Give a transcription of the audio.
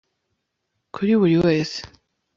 kuri buri wese